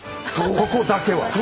そこだけは。